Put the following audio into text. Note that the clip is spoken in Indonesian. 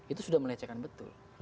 itu sudah melecehkan betul